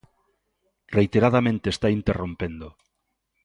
Reiteradamente está interrompendo.